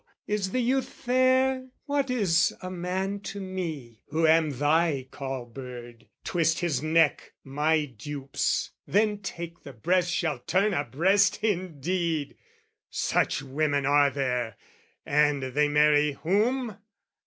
"Is the youth fair? What is a man to me "Who am thy call bird? Twist his neck my dupe's, "Then take the breast shall turn a breast indeed!" Such women are there; and they marry whom?